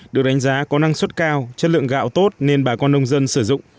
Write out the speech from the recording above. được đánh giá có năng suất cao chất lượng gạo tốt nên bà con nông dân sử dụng